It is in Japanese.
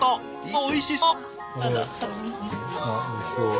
おいしそう。